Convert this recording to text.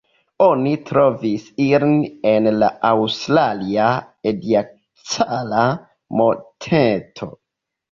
Oni trovis ilin en la aŭstralia Ediacara-monteto.